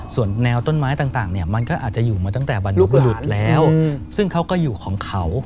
ส่วนแนวต้นไม้ต่างเนี่ยมันก็อาจจะอยู่มาตั้งแต่บรรพบรุษแล้วซึ่งเขาก็อยู่ของเขา